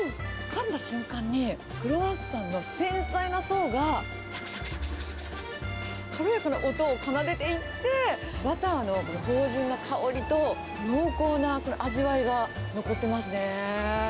かんだ瞬間に、クロワッサンの繊細な層が、さくさくさくさくさく、軽やかな音を奏でていって、バターの豊潤な香りと、濃厚な味わいが残ってますね。